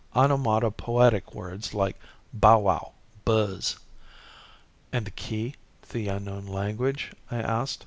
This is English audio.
Onomatopoetic words like bowwow, buzz." "And the key to the unknown language?" I asked.